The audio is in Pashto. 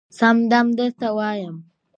سم دم درته وايم